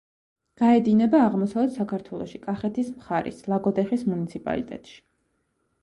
გაედინება აღმოსავლეთ საქართველოში, კახეთის მხარის ლაგოდეხის მუნიციპალიტეტში.